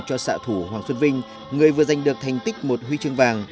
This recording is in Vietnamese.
cho xã thủ hoàng xuân vinh người vừa giành được thành tích một huy chương vàng